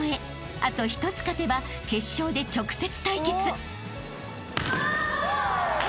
［あと１つ勝てば決勝で直接対決］